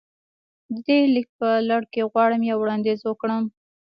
د دې ليک په لړ کې غواړم يو وړانديز وکړم.